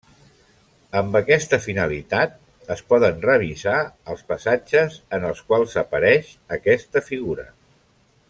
Amb aquesta finalitat, es poden revisar els passatges en els quals apareix aquesta figura.